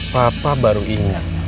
papa baru ingat